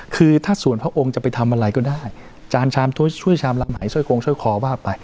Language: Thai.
คือถ้าสวนพระองค์จะไปทำอะไรก็ได้จานชามช่วยชามลำไหว้ช่วยโครงช่วยคอว่าไป